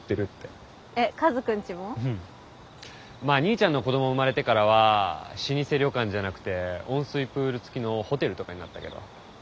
まあ兄ちゃんの子ども生まれてからは老舗旅館じゃなくて温水プールつきのホテルとかになったけど。